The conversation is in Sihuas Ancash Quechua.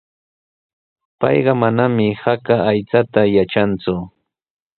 Payqa manami haka aychata yatranku.